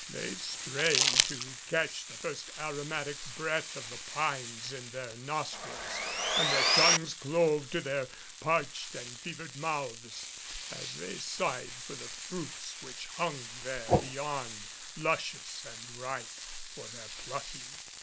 They strained to catch the first aromatic breath of the pines in their nostrils and their tongues clove to their parched and fevered mouths as they sighed for the fruits which hung there beyond, luscious and ripe for their plucking.